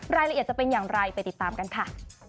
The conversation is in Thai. รายละเอียดจะเป็นอย่างไรไปติดตามกันค่ะ